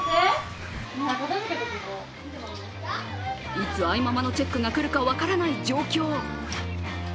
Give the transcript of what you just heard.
いつ愛ママのチェックが来るか分からない状況。